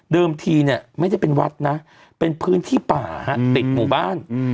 ทีเนี่ยไม่ได้เป็นวัดนะเป็นพื้นที่ป่าฮะติดหมู่บ้าน